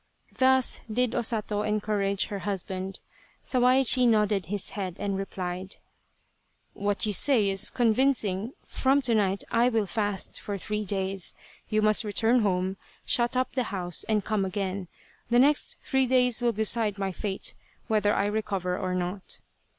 Thus did O Sato encourage her husband. Sawaichi nodded his head and replied :" What you say is convincing. From to night I will fast for three days. You must return home, shut up the house and come again. The next three days will decide my fate, whether I recover or not."